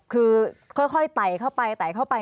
คือค่อยไตเข้าไป